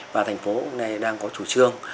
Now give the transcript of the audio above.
và thành phố đang có chủ trương